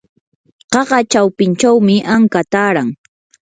qaqa chawpinchawmi anka taaran.